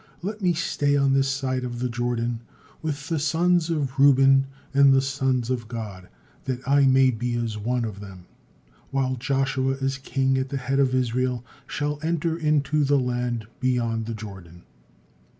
Let me stay on this side of the Jordan with the sons of Reuben and the sons of God, that I may be as one of them, while Joshua as king at the head of Israel shall enter into the land beyond the Jordan."